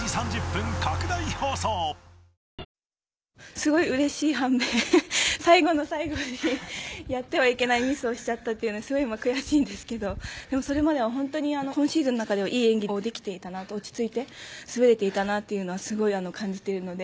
すごいうれしい反面最後の最後にやってはいけないミスをしちゃったというのはすごい今、悔しいんですけどそれまでは今シーズンの中で良い演技もできていたなと落ち着いて滑れていたなとすごい感じているので。